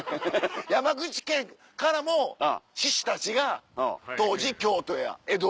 山口県からも志士たちが当時京都や江戸に。